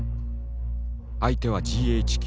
相手はＧＨＱ。